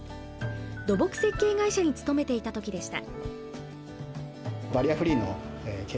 土木設計会社に勤めていた時でした。